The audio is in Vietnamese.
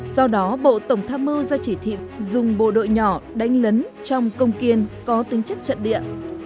do đó bộ tổng tham mưu ra chỉ thị dùng bộ đội nhỏ đánh lấn trong công kiên có tính chất trận địa